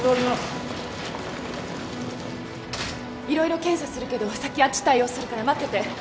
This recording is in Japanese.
いろいろ検査するけど先あっち対応するから待ってて。